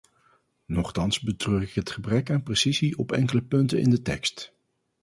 Nochtans betreur ik het gebrek aan precisie op enkele punten in de tekst.